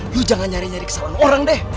lu jangan nyari nyari kesalahan orang deh